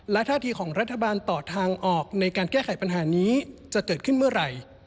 และท่าทีของรัฐบาลต่อทางออกในการแก้ไขปัญหานี้จะเกิดขึ้นเมื่อไหร่